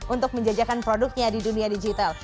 untuk menjajakan produknya di dunia digital